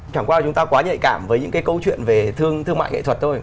chẳng qua chúng ta quá nhạy cảm với những cái câu chuyện về thương mại nghệ thuật thôi